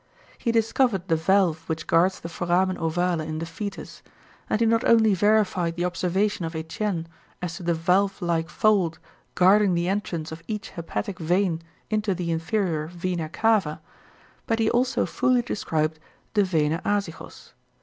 He discovered the valve which guards the foramen ovale in the fœtus; and he not only verified the observation of Etienne as to the valve like fold guarding the entrance of each hepatic vein into the inferior vena cava, but he also fully described the vena azygos.